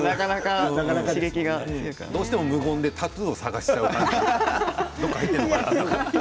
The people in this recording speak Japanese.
どうしても無言でタトゥーを探してしまいます。